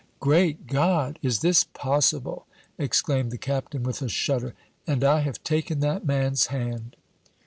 "Great God! is this possible?" exclaimed the Captain, with a shudder. "And I have taken that man's hand!"